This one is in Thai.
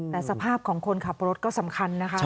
แต่สภาพของคนขับรถก็สำคัญนะคะ